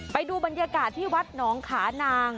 ไปดูบรรยากาศที่วัดหนองขานาง